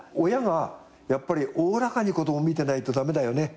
親がやっぱりおおらかに子供見てないと駄目だよね。